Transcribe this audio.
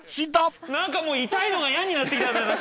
何かもう痛いのが嫌になってきた。